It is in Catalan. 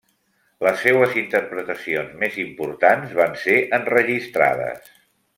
Les seues interpretacions més importants van ser enregistrades.